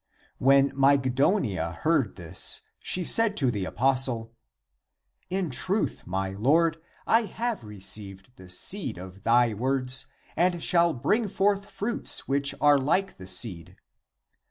When Mygdonia heard this, she said to the apostle, " In truth, my lord, I have received the seed of thy words and shall bring forth fruits which are like the seed."